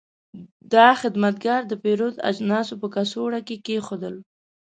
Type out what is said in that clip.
دا خدمتګر د پیرود اجناس په کڅوړو کې کېښودل.